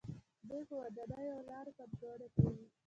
دوی په ودانیو او لارو پانګونه کوي.